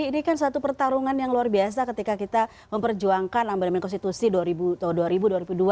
jadi ini kan suatu pertarungan yang luar biasa ketika kita memperjuangkan ambil ambil konstitusi tahun dua ribu dua ribu dua